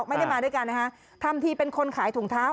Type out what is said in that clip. ไม่ได้มาด้วยกันนะคะทำทีเป็นคนขายถุงเท้า